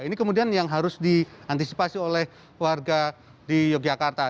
ini kemudian yang harus diantisipasi oleh warga di yogyakarta